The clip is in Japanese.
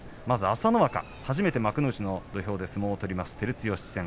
朝乃若、初めて幕内の土俵で相撲を取ります、照強戦。